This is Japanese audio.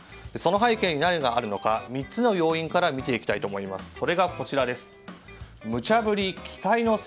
その背景に何があるのか３つの要因から見ていきたいと思います。